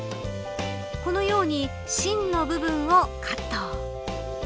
このように芯の部分をカット。